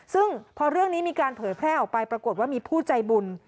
ซึ่งพอเรื่องนี้มีการเผยแพร่ออกไปปรากฏว่ามีผู้ใจบุญ